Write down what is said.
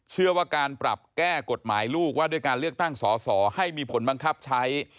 เชื่อว่าการปรับแก้กฎหมายลูกว่าด้วยการเลือกตั้งสอสอให้มีผลบังคับใช้